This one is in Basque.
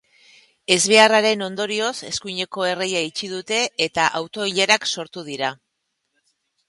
Ezbeharraren ondorioz, eskuineko erreia itxi dute eta auto-ilarak sortu dira.